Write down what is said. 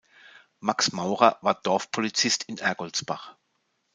Max Maurer war Dorfpolizist in Ergoldsbach.